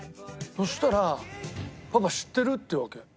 そしたら「パパ知ってる？」って言うわけ。